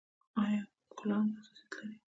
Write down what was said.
ایا ګلانو ته حساسیت لرئ؟